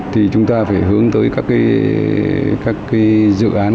thì chúng ta phải hướng tới các dự án